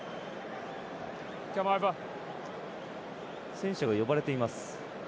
選手が呼ばれています。